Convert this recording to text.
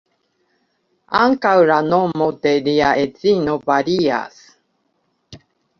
Ankaŭ la nomo de lia edzino varias.